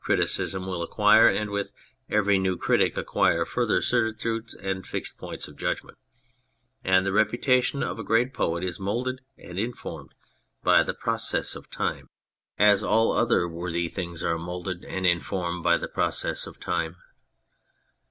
Criticism will acquire, and with every new critic acquire further, certitudes and fixed points of judgment ; and the reputation of a great poet is moulded and informed by the process of time, as all other worthy 55 On Anything things are moulded and informed by the process of time.